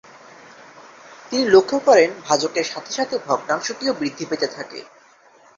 তিনি লক্ষ্য করেন ভাজকের সাথে সাথে ভগ্নাংশটিও বৃদ্ধি পেতে থাকে।